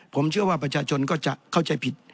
ผมเชื่อว่าประชาชนก็จะเข้าใจผิด